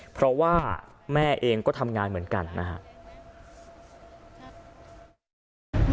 เพราะว่าแม่เองก็ทำงานเหมือนกันนะครับ